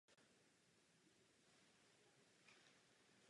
I jako emigrant nadále vedl politickou činnost.